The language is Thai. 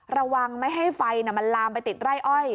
ระวังไม่ให้ไฟมันลามไปติดไร่อ้อย